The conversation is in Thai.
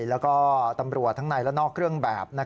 แล้วก็ตำรวจทั้งในและนอกเครื่องแบบ